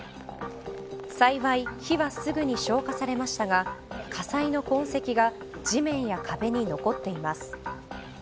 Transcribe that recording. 幸い、火はすぐに消火されましたが火災の痕跡が地面や壁に残っています。